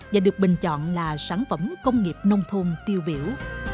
và được bình chọn là sản phẩm công nghiệp nông thôn tiêu biểu